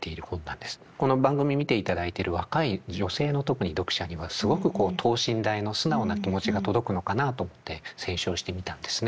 この番組見ていただいている若い女性の特に読者にはすごくこう等身大の素直な気持ちが届くのかなあと思って選書をしてみたんですね。